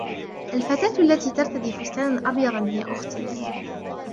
الفتاة التي ترتدي فستانا أبيضا هي أختي.